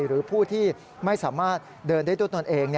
หรือผู้ที่ไม่สามารถเดินได้ด้วยตนเอง